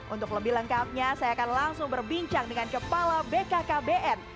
untuk lebih lengkapnya saya akan langsung berbincang dengan kepala bkkbn